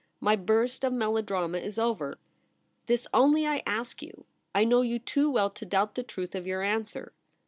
My burst of melodrama is over. This only I ask you. I know you too well to doubt the truth of your answer.